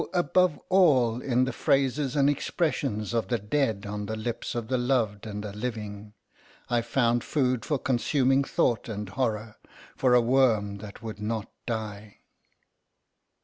above all—in the phrases and expressions of the dead on the lips of the loved and the living, I found food for consuming thought and horror—for a worm that would not die.